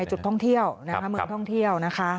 จุดท่องเที่ยวนะคะเมืองท่องเที่ยวนะคะ